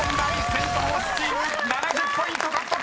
セント・フォースチーム７０ポイント獲得！］